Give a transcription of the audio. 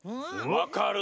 わかる。